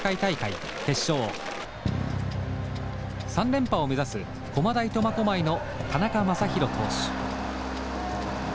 ３連覇を目指す駒大苫小牧の田中将大投手。